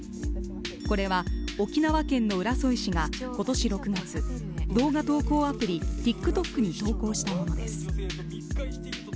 これは沖縄県の浦添市が今年６月、動画投稿アプリ、ＴｉｋＴｏｋに投稿したものです。